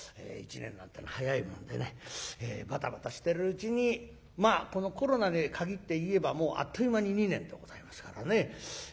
一年なんてのは早いもんでねバタバタしてるうちにまあこのコロナに限って言えばもうあっという間に２年でございますからね。